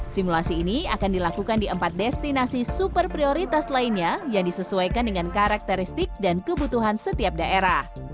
simulasi ini akan dilakukan di empat destinasi super prioritas lainnya yang disesuaikan dengan karakteristik dan kebutuhan setiap daerah